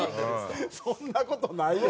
そんな事ないよ。